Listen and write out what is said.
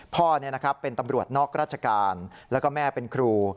พ่อเป็นตำรวจนอกราชการแล้วก็แม่เป็นครู